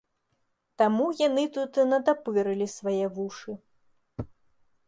Таму яны тут і натапырылі свае вушы.